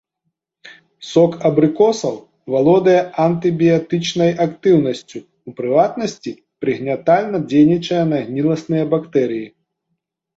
Сок абрыкосаў валодае антыбіятычнай актыўнасцю, у прыватнасці, прыгнятальна дзейнічае на гніласныя бактэрыі.